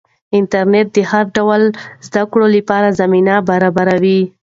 انټرنیټ د هر ډول زده کړې لپاره زمینه برابروي.